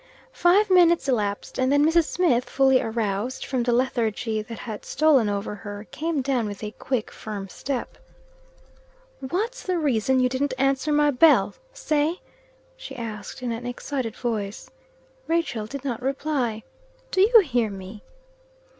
Five minutes elapsed, and then Mrs. Smith fully aroused, from the lethargy that had stolen over her, came down with a quick, firm step. "What's the reason you didn't answer my bell? say?" she asked, in an excited voice. Rachel did not reply. "Do you hear me?"